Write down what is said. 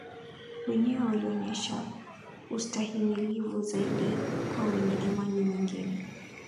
wenyewe walionyesha ustahimilivu zaidi kwa wenye imani nyingine